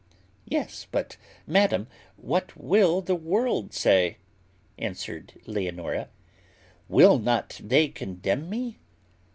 "Yes, but, madam, what will the world say?" answered Leonora: "will not they condemn me?"